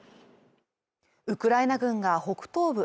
ウクライナ軍が北東部